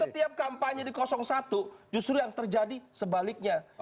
setiap kampanye di satu justru yang terjadi sebaliknya